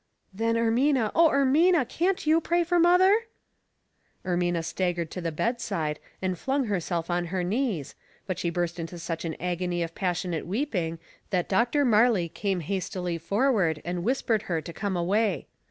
" Then, Ermina, O Ermina, can't you pray for mother ?" Ermina staggered to the bedside and flung her self on her knees, but she burst into such an agony of passionate weeping that Dr. Marley came has tily forward, and whispered her to come away.